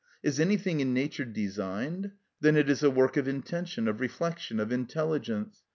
Is anything in nature designed? then it is a work of intention, of reflection, of intelligence.